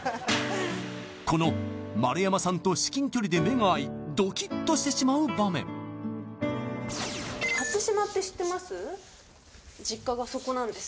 この丸山さんと至近距離で目が合いドキッとしてしまう場面初島って知ってます？